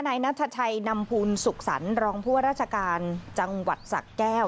นายนัทชัยนำภูลสุขสรรค์รองผู้ว่าราชการจังหวัดสะแก้ว